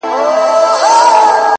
دا خپله وم _